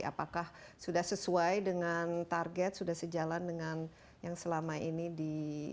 apakah sudah sesuai dengan target sudah sejalan dengan yang selama ini di